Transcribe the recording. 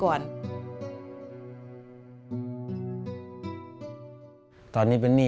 พ่อลูกรู้สึกปวดหัวมาก